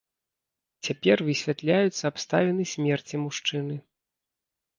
Цяпер высвятляюцца абставіны смерці мужчыны.